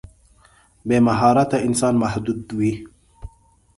بې مهارته انسان محدود وي.